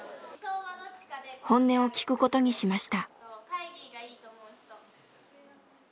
本音を聞くことにしました。